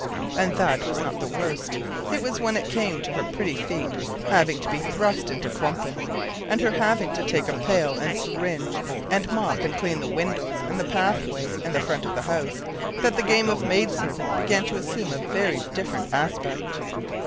And that was not the worst; it was when it came to her pretty feet having to be thrust into klompen, and her having to take a pail and syringe and mop and clean the windows and the pathway and the front of the house, that the game of maid servant began to assume a very different aspect.